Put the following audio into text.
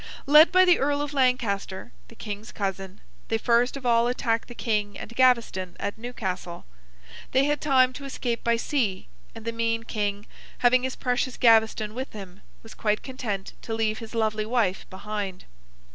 Led by the Earl of Lancaster, the King's cousin, they first of all attacked the King and Gaveston at Newcastle. They had time to escape by sea, and the mean King, having his precious Gaveston with him, was quite content to leave his lovely wife behind.